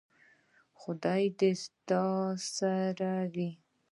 خدای دې ستا سره وي .